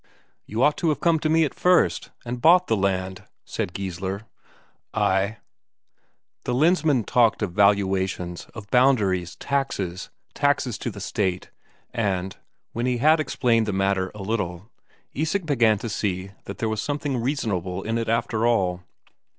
"You ought to have come to me at first, and bought the land," said Geissler. "Ay." The Lensmand talked of valuations, of boundaries, taxes, taxes to the State, and, when he had explained the matter a little, Isak began to see that there was something reasonable in it after all.